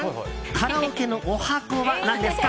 カラオケのおはこは何ですか？